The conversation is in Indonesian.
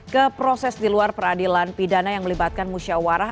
ke proses di luar peradilan pidana yang melibatkan musyawarah